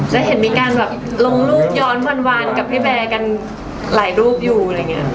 จะเห็นมีการแบบลงรูปย้อนวันกับพี่แบร์กันหลายรูปอยู่อะไรอย่างนี้